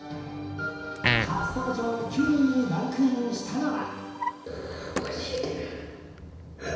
初登場９位にランクインしたのは。